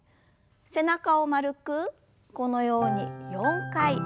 背中を丸くこのように４回ゆすります。